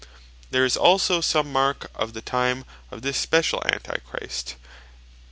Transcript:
There is also some Mark of the time of this speciall Antichrist, as (Mat.